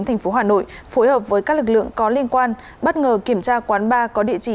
thành phố hà nội phối hợp với các lực lượng có liên quan bất ngờ kiểm tra quán bar có địa chỉ